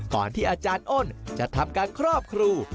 อาจารย์อ้นจะทำการครอบครู